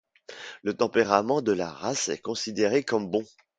Le tempérament de la race est considéré comme bon.